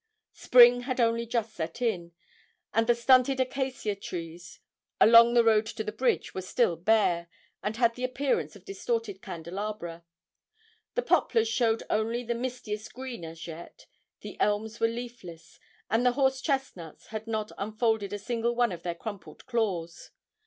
Spring had only just set in, and the stunted acacia trees along the road to the bridge were still bare, and had the appearance of distorted candelabra; the poplars showed only the mistiest green as yet, the elms were leafless, and the horse chestnuts had not unfolded a single one of their crumpled claws.